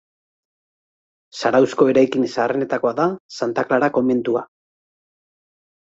Zarauzko eraikin zaharrenetakoa da Santa Klara komentua.